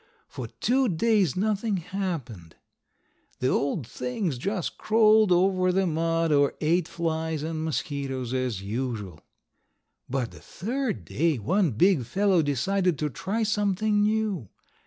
For two days nothing happened. The old things just crawled over the mud or ate flies and mosquitoes, as usual. But the third day one big fellow decided to try something new.